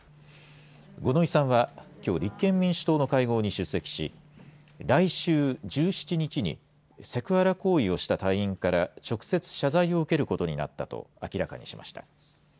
五ノ井さんはきょう、立憲民主党の会合に出席し、来週１７日に、セクハラ行為をした隊員から、直接謝罪を受けることになったと明らかにしました。